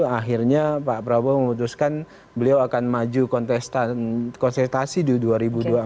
akhirnya pak prabowo memutuskan beliau akan maju konsultasi di dua ribu dua puluh empat